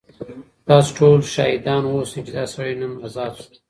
تاسو ټول شاهدان اوسئ چې دا سړی نن ازاد شو.